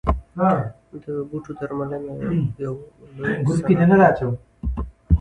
د بوټو درملنه یو لوی صنعت دی